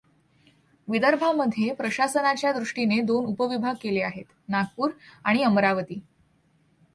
विदर्भामध्ये प्रशासनाच्या दष्टीने दोन उपविभाग केले आहेत, नागपूर आणि अमरावती.